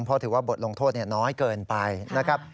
เพราะถือว่าบทลงโทษน้อยเกินไปนะครับ